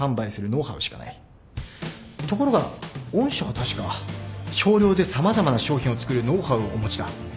ところが御社は確か少量で様々な商品を作るノウハウをお持ちだ。